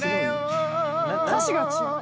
歌詞が違う。